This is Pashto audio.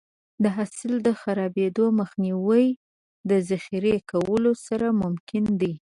د حاصل د خرابېدو مخنیوی د ذخیره کولو سره ممکن دی.